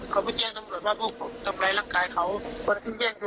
เขาไปแจ้งตำรวจว่าพวกผมทำไรร่างกายเขา